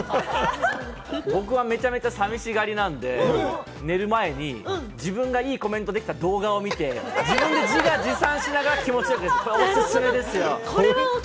僕はめちゃくちゃ寂しがり屋なんで、寝る前に自分がいいコメントできた動画を見て、自分で自画自賛しながら気持ちよくというのがおすすめですよ。